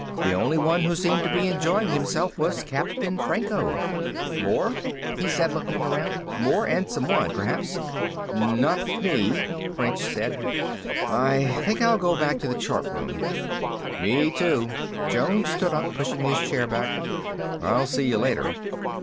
The only one who seemed to be enjoying himself was Captain Franco. "More?" he said, looking around. "More? And some wine, perhaps." "Not me," French said. "I think I'll go back to the chart room." "Me, too." Jones stood up, pushing his chair back. "I'll see you later."